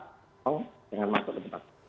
tolong jangan masuk ke tempat